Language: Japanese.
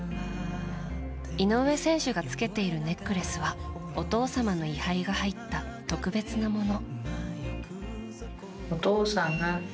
井上選手が着けているネックレスはお父様の遺灰が入った特別なもの。